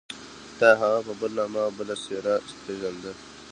تا هغه په بل نامه او بله څېره پېژانده.